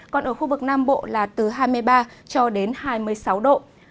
còn ở khu vực nam bộ là từ hai mươi ba cho đến hai mươi sáu độ